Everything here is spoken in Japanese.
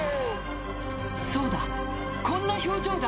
そうだ、こんな表情だ。